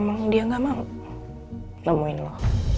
emang dia gak mau nemuin loh